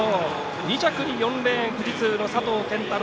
２着に４レーン富士通の佐藤拳太郎。